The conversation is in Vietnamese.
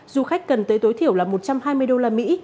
du khách cần tới tối thiểu là một trăm hai mươi đô la mỹ